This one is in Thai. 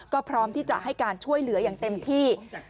ก็พร้อมที่จะให้การช่วยเหลืออย่างเต็มที่